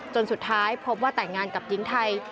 จนสุดท้ายพบว่าแต่งงานกับหญิงไทย